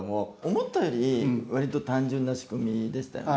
思ったより割と単純な仕組みでしたよね。